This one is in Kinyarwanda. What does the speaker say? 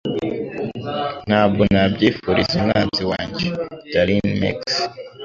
Ntabwo nabyifuriza umwanzi wanjye mubi. (darinmex)